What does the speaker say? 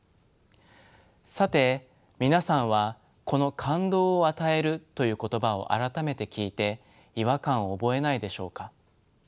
さて皆さんはこの「感動を与える」という言葉を改めて聞いて違和感を覚えないでしょうか。